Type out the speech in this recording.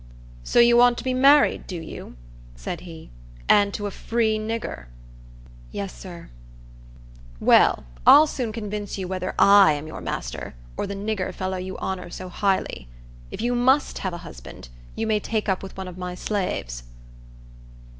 "So you want to be married, do you?" said he, "and to a free nigger." "Yes, sir." "Well, I'll soon convince you whether I am your master, or the nigger fellow you honor so highly. If you must have a husband, you may take up with one of my slaves."